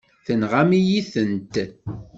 Tenɣam-iyi-tent.